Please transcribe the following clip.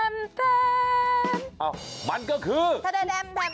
มันก็คือ